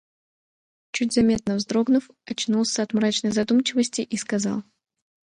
чуть заметно вздрогнув, очнулся от мрачной задумчивости и сказал: